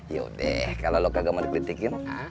yaudah kalo lo kagak mau dikritikin